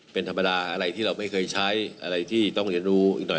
เป็นธรรมดาอะไรที่เราไม่เคยใช้อะไรที่ต้องเรียนรู้อีกหน่อย